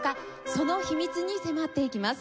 その秘密に迫っていきます。